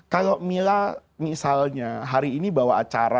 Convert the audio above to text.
kalau mila misalnya hari ini bawa acara